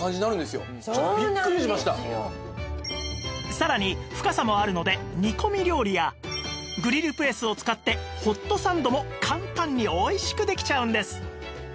さらに深さもあるので煮込み料理やグリルプレスを使ってホットサンドも簡単においしくできちゃうんです